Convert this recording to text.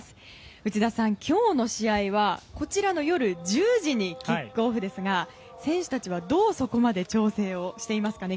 内田さん、今日の試合はこちらの夜１０時にキックオフですが選手たちはどう、そこまで調整をしていますかね？